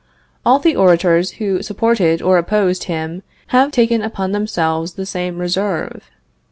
All the orators who supported or opposed him have taken upon themselves the same reserve.